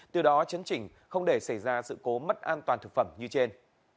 từ đó chấn chỉnh không để xảy ra sự cố mất an toàn thực phẩm như trên